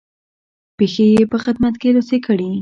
پښې یې په خدمت کې لڅې کړې.